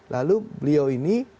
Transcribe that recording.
lalu beliau ini